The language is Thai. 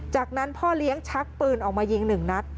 จากนั้นพ่อเลี้ยงชักปืนออกมายิง๑นัด